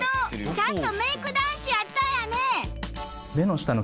ちゃんとメイク男子やったんやね。